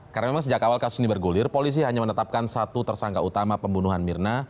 karena memang sejak awal kasus ini bergulir polisi hanya menetapkan satu tersangka utama pembunuhan mirna